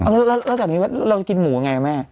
แล้วจากนี้เราจะกินหมูยังไงแม่